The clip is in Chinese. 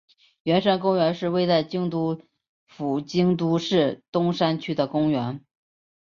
圆山公园是位在京都府京都市东山区的公园。